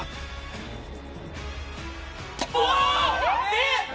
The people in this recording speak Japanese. えっ！？